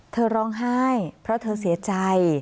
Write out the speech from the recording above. เธอร้องไห้เพราะเธอเสียใจ